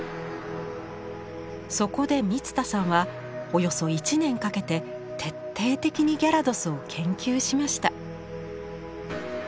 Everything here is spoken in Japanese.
そこで満田さんはおよそ１年かけて徹底的にギャラドスを研究しました。